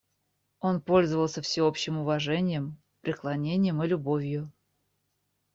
Он пользовался всеобщим уважением, преклонением и любовью.